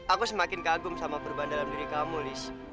aku semakin kagum sama perubahan dalam diri kamu lis